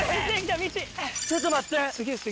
ちょっと待って。